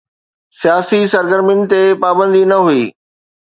سياسي سرگرمين تي پابندي نه هئي.